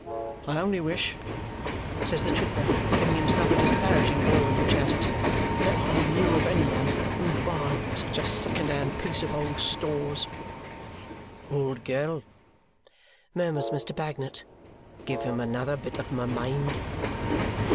I only wish," says the trooper, giving himself a disparaging blow in the chest, "that I knew of any one who'd buy such a second hand piece of old stores." "Old girl," murmurs Mr. Bagnet, "give him another bit of my mind."